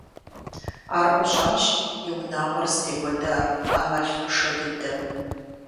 Ар ӀущӀащ и унагъуэр зытекӀуэда а мэл хъушэ дыдэм.